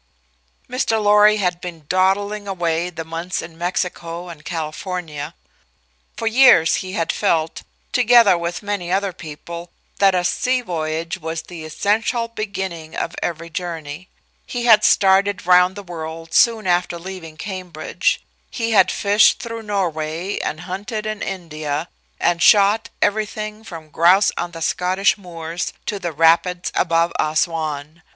Mr. Lorry had been dawdling away the months in Mexico and California. For years he had felt, together with many other people, that a sea voyage was the essential beginning of every journey; he had started round the world soon after leaving Cambridge; he had fished through Norway and hunted in India, and shot everything from grouse on the Scottish moors to the rapids above Assouan.